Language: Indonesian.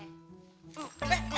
be asal tuh